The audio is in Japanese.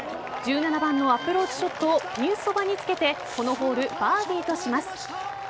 １７番のアプローチショットをピンそばにつけてこのホール、バーディーとします。